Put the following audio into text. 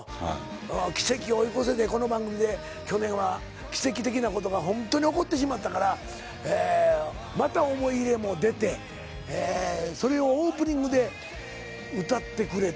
「奇跡を追い越せ」でこの番組で去年は奇跡的なことがホントに起こってしまったからまた思い入れも出てそれをオープニングで歌ってくれて。